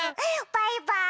バイバーイ！